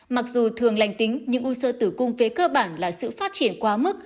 mặc dù thường lành tính nhưng u sơ tử cung phế cơ bản là sự phát triển quá mức